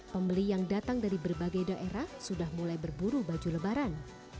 pembeli yang datang dari berbagai daerah sudah mulai berburu baju lebaran